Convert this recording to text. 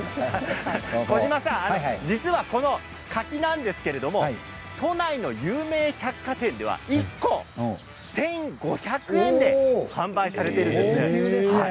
児嶋さん、実はこの柿なんですが都内の有名な百貨店では１個１５００円で販売されているんです。